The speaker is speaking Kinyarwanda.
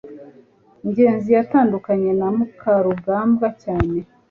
ngenzi yatandukanye na mukarugambwa cyane